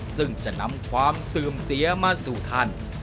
ซึ่งจะนำความเสื่อมเสียมาสู่ท่าน